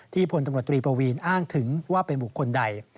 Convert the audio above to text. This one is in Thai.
พลตำรวจตรีปวีนอ้างถึงว่าเป็นบุคคลใด